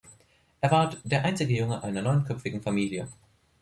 Er war der einzige Junge einer neunköpfigen Familie.